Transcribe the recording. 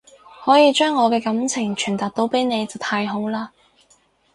可以將我嘅感情傳達到俾你就太好喇